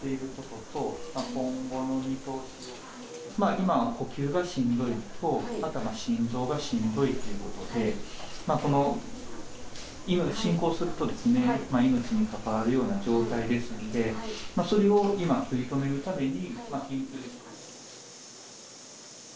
今、呼吸がしんどいのと、あとは心臓がしんどいということで、いわゆる、進行すると命に関わるような状態ですので、それを今、食い止めるために。